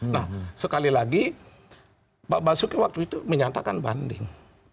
nah sekali lagi pak basuki waktu itu menyatakan banding